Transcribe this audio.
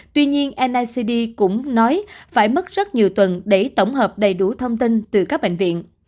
tuy nhiên nicd cũng nói phải mất rất nhiều tuần để tổng hợp đầy đủ thông tin từ các bệnh viện